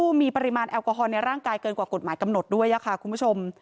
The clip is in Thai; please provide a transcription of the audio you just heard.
มีปริมาณแอลกอฮอลในร่างกายเกินกว่ากฎหมายกำหนดด้วยค่ะคุณผู้ชม